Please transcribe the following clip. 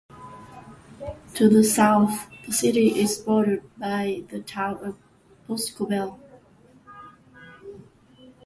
To the south, the city is bordered by the Town of Boscobel.